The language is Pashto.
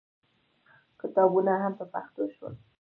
کتابونه هم په پښتو شول.